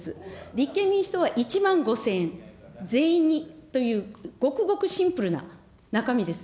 立憲民主党は１万５０００円、全員にというごくごくシンプルな中身です。